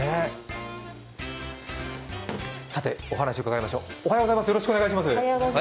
さて、お話伺いましょう。